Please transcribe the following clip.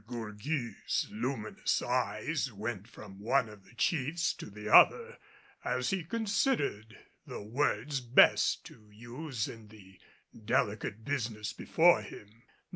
De Gourgues' luminous eyes went from one of the chiefs to the other, as he considered the words best to use in the delicate business before him.